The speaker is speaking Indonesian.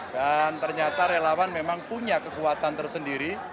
dan ternyata relawan memang punya kekuatan tersendiri